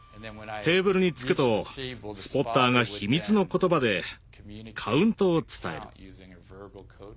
テーブルにつくとスポッターが秘密の言葉でカウントを伝える。